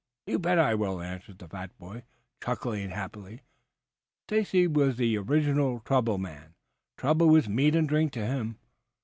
"You bet I will," answered the fat boy, chuckling happily. Stacy was the original trouble man. Trouble was meat and drink to him.